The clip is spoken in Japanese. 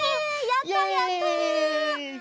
やったやった！